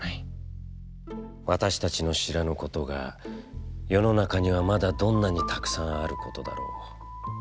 私達の知らぬことが世の中には、まだどんなに沢山あることだらう。